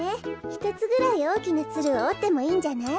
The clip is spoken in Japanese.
ひとつぐらいおおきなツルをおってもいいんじゃない？